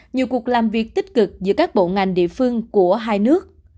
nhiều cuộc làm việc tích cực giữa các bộ ngành địa phương của hai nước